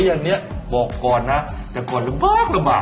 หลังการเพิ่มรุมบ้า